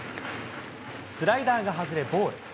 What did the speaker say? スライダーが外れボール。